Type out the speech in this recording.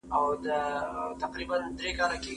هغې په ډېرې سړې سینې سره زما حالت ته وکتل.